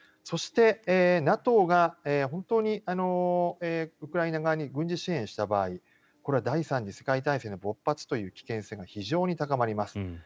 そしてＮＡＴＯが本当にウクライナ側に軍事支援した場合これは第３次世界大戦勃発という危険性が非常に高まります。